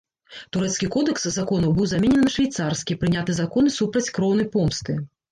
Турэцкі кодэкс законаў быў заменены на швейцарскі, прыняты законы супраць кроўнай помсты.